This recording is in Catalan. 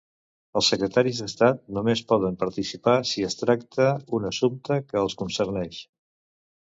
Els Secretaris d'Estat només poden participar si es tracta un assumpte que els concerneix.